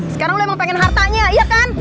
sekarang udah emang pengen hartanya iya kan